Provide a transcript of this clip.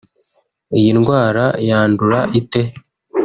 Iyi ndwara yandura ite